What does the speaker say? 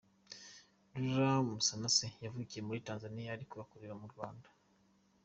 Laura Musanase yavukiye muri Tanzania ariko akurira mu Rwanda.